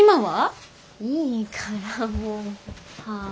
いいからもう。はあ。